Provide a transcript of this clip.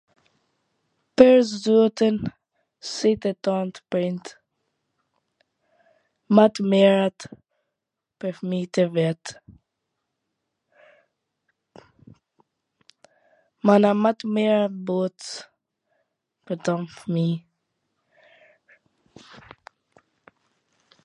pwr zotin, si te tant prind, ma t mirat pwr fmijt e vet, ... mana ma t mirat n bot pwr tan fmijt